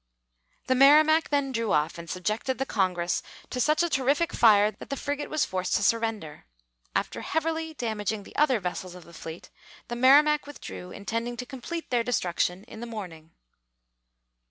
The Merrimac then drew off and subjected the Congress to such a terrific fire that the frigate was forced to surrender. After heavily damaging the other vessels of the fleet, the Merrimac withdrew, intending to complete their destruction in the morning.